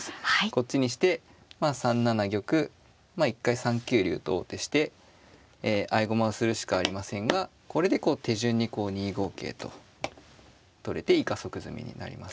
こっちにして３七玉まあ一回３九竜と王手して合駒をするしかありませんがこれでこう手順にこう２五桂と取れて以下即詰みになります。